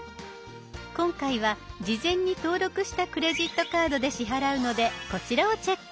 今回は事前に登録したクレジットカードで支払うのでこちらをチェック。